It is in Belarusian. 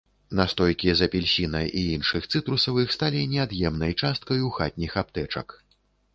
Настойкі з апельсіна і іншых цытрусавых сталі неад'емнай часткаю хатніх аптэчак.